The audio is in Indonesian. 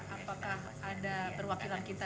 apakah ada perwakilan kita